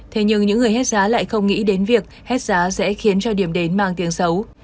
thế nhưng những người hết giá lại không nghĩ đến việc hết giá sẽ khiến cho điểm đến mang tiếng xấu